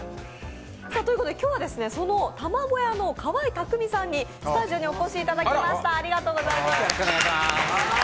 今日は、そのＴＡＭＡＧＯＹＡの川合匠さんにスタジオにお越しいただきました。